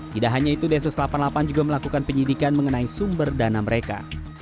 tidak hanya itu densus delapan puluh delapan juga melakukan penyidikan mengenai sumber dana mereka